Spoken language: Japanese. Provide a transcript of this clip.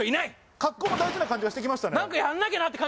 格好も大事な気がしてきました。